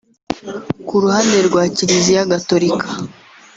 Ku ruhande rwa Kiliziya Gatolika